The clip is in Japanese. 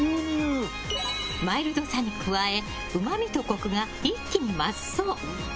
マイルドさに加えうまみとコクが一気に増すそう。